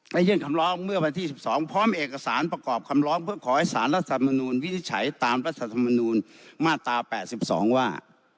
ยื่นคำร้องเมื่อวันที่๑๒พร้อมเอกสารประกอบคำร้องเพื่อขอให้สารรัฐธรรมนูลวินิจฉัยตามรัฐธรรมนูลมาตรา๘๒ว่า